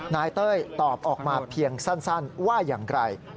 เต้ยตอบออกมาเพียงสั้นว่าอย่างไร